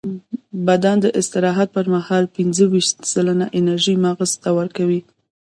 بدن د استراحت پر مهال پینځهویشت سلنه انرژي مغزو ته ورکوي.